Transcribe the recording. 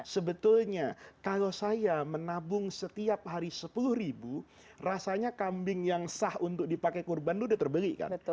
sebetulnya kalau saya menabung setiap hari sepuluh ribu rasanya kambing yang sah untuk dipakai kurban itu udah terbeli kan